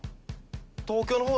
東京の方